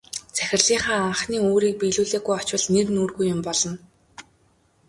Захирлынхаа анхны үүрийг биелүүлэлгүй очвол нэр нүүргүй юм болно.